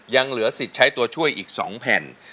ยังเหลือสิทธิ์ใช้ตัวช่วยอีก๒แผ่น